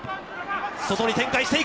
外に展開していく。